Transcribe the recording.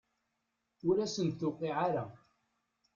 Ur asen-d-tuqiɛ ara.